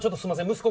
息子。